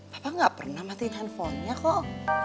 papa gak pernah matiin handphonenya kok